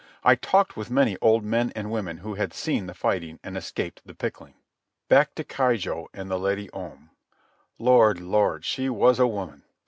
I talked with many old men and women who had seen the fighting and escaped the pickling. Back to Keijo and the Lady Om. Lord, Lord, she was a woman.